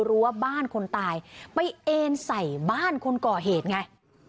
ว่าบ้านคนตายไปเอ็นใส่บ้านคนก่อเหตุไง